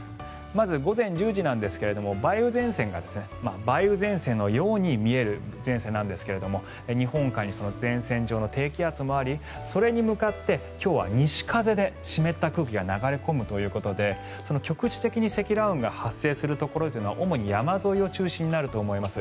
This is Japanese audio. まず午前１０時なんですが梅雨前線が梅雨前線のように見える前線なんですが日本海に前線上の低気圧もありそれに向かって今日は西風で湿った空気が流れ込むということで局地的に積乱雲が発生するところは主に山沿いが中心になると思います。